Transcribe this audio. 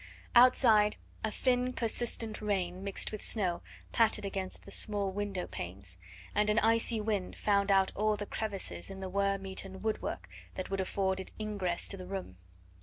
Outside a thin, persistent rain mixed with snow pattered against the small window panes, and an icy wind found out all the crevices in the worm eaten woodwork that would afford it ingress to the room.